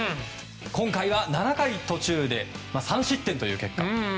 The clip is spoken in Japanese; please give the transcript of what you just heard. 今回は７回途中で３失点という結果です。